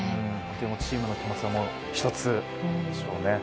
チームの気持ちは一つでしょうね。